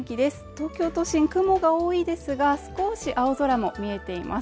東京都心雲が多いですが少し青空も見えています。